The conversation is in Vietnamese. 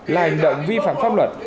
là hành động vi phạm pháp luật